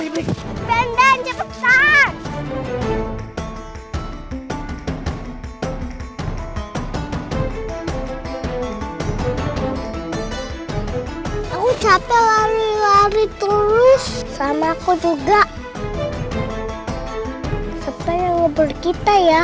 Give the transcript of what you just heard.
matan situ seekor wantong ini